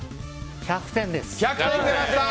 １００点です。